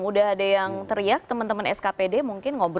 udah ada yang teriak teman teman skpd mungkin ngobrol